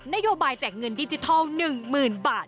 นโยบายแจกเงินดิจิทัล๑๐๐๐บาท